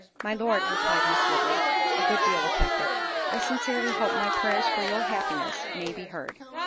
"My Lord," replied Miss Woodley, a good deal affected, "I sincerely hope my prayers for your happiness may be heard."